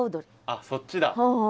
あっそっちだ。